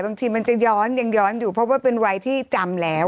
บางทีมันจะย้อนยังย้อนอยู่เพราะว่าเป็นวัยที่จำแล้ว